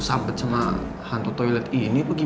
sampai sama hantu toilet ini